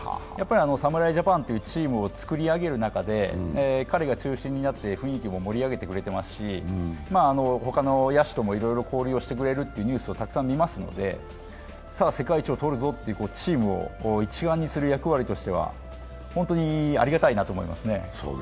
侍ジャパンというチームを作り上げる中で彼が中心になって雰囲気も盛り上げてくれてますし、他の野手とも交流をしてくれるというニュースをたくさん見ますので、さぁ、世界一を取るぞという、チームを一丸にする役割としては本当にありがたいなと思いますね。